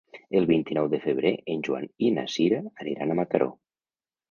El vint-i-nou de febrer en Joan i na Sira aniran a Mataró.